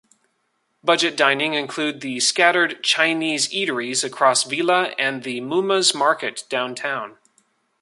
Budget dining include the scattered Chinese eateries across Vila and the Mummas Market downtown.